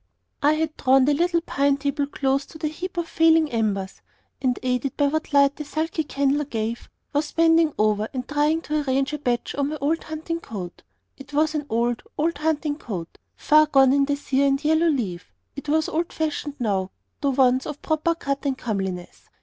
I had drawn the little pine table close to the heap of failing embers, and aided by what light the sulky candle gave, was bending over and trying to arrange a patch on my old hunting coat. It was an old, old hunting coat, far gone in the sere and yellow leaf. It was old fashioned now, though once of proper cut and comeliness.